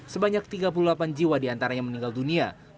sebanyak tiga puluh delapan jiwa di antara yang meninggal dunia